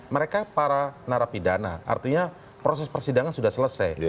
mereka para narapidana artinya proses persidangan sudah selesai